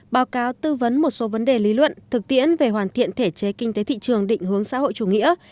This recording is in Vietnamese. báo cáo tư vấn một số vấn đề lý luận thực tiễn về hoàn thiện thể chế kinh tế thị trường định hướng xã hội chủ nghĩa